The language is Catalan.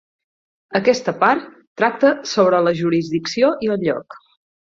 Aquesta part tracta sobre la jurisdicció i el lloc.